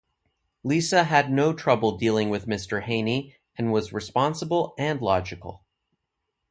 Lisa had no trouble dealing with Mr. Haney and was responsible and logical.